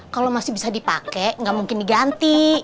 kalau masih bisa dipake gak mungkin diganti